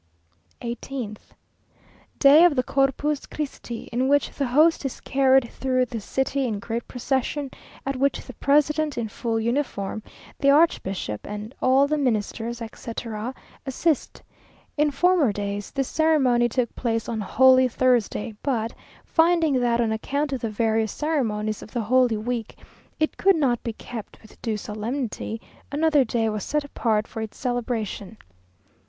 18th. Day of the Corpus Christi, in which the host is carried through the city in great procession at which the president, in full uniform, the archbishop, and all the Ministers, etc., assist. In former days this ceremony took place on Holy Thursday; but finding that, on account of the various ceremonies of the holy week, it could not be kept with due solemnity, another day was set apart for its celebration.